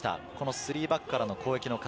３バックからの攻撃の形。